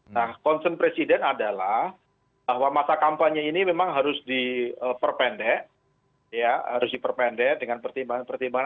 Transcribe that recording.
nah concern presiden adalah bahwa masa kampanye ini memang harus diperpendek ya harus diperpendek dengan pertimbangan pertimbangan